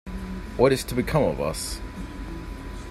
What is to become of us?